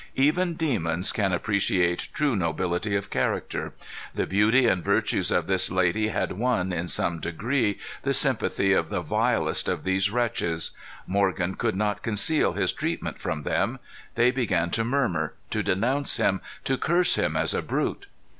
Even demons can appreciate true nobility of character. The beauty and virtues of this lady had won, in some degree, the sympathy of the vilest of these wretches. Morgan could not conceal his treatment from them. They began to murmur, to denounce him, to curse him as a brute.